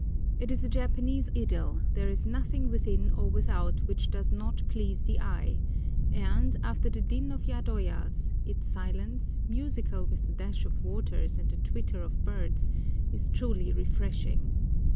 It is a Japanese idyll; there is nothing within or without which does not please the eye, and, after the din of yadoyas, its silence, musical with the dash of waters and the twitter of birds, is truly refreshing.